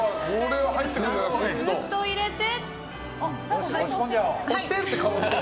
ぐっと入れて。